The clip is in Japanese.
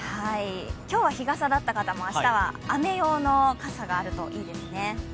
今日は日傘だった方も、明日は雨用の傘があるといいですね。